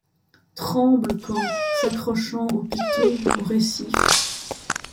Tremblent quand, s’accrochant aux pitons, aux récifs